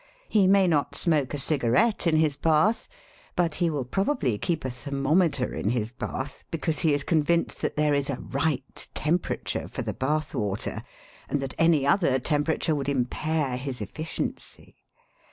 He may not smoke a cigarette in his bath, but he will probably keep a thermometer in his bath because he is convinced that there is a "right" tempera ture for the bath water, and that any other tem perature would impair his efficiency.